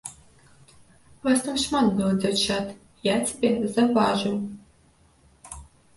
Вас там шмат было дзяўчат, я цябе заўважыў.